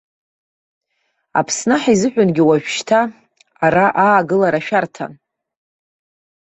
Аԥсны аҳ изыҳәангьы уажәшьҭа ара аагылара шәарҭан.